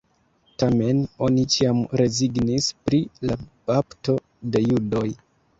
Tamen oni ĉiam rezignis pri la bapto de judoj.